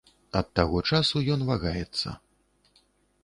Ад таго часу ён вагаецца.